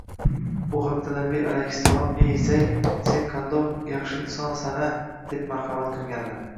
U haqda Nabiy alayhissalom: “Ey Zayd, sen qandoq yaxshi insonsan-a?!” deb marhamat qilganlar